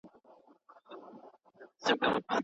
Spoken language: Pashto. د علم د پراخوالي له لاري، ټولنه بدلون ته اړتیا لري.